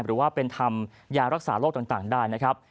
หรือว่าเป็นทำยารักษาโรคต่างได้นะครับ